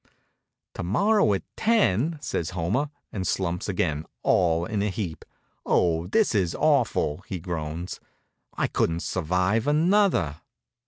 "To morrow at ten!" says Homer, and slumps again, all in a heap. "Oh, this is awful!" he groans. "I couldn't survive another!"